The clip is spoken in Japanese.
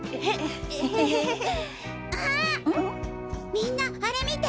みんなアレ見て！